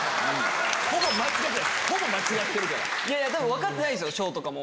分かってないですよ紫耀とかも。